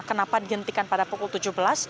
kenapa dihentikan pada pukul tujuh belas